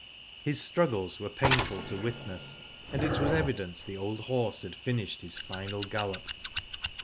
His struggles were painful to witness, and it was evident the old horse had finished his final gallop.